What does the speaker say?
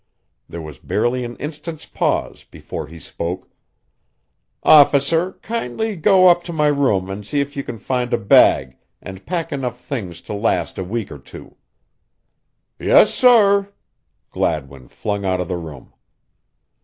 There was barely an instant's pause before he spoke: "Officer, kindly go up to my room and see if you can find a bag and pack enough things to last a week or two." "Yes, sorr." Gladwin flung out of the room.